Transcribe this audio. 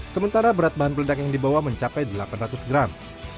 sementara berat bahan peledak yang dibawa mencapai delapan ratus gram